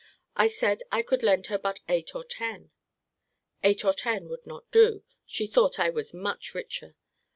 I said I could lend her but eight or ten. Eight or ten would not do: she thought I was much richer.